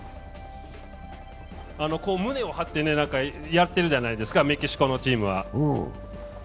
こう胸を張ってやってるじゃないですか、メキシコのチームは。